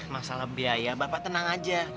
masalah biaya bapak tenang aja